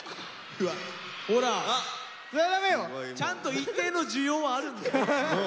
ほらちゃんと一定の需要はあるんだよ。